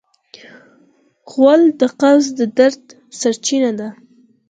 غول د قبض د درد سرچینه ده.